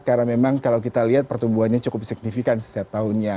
karena memang kalau kita lihat pertumbuhannya cukup signifikan setiap tahunnya